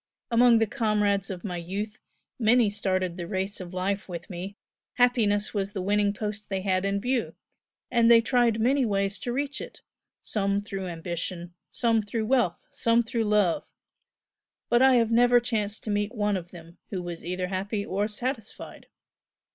Among the comrades of my youth many started the race of life with me happiness was the winning post they had in view and they tried many ways to reach it some through ambition, some through wealth, some through love but I have never chanced to meet one of them who was either happy or satisfied.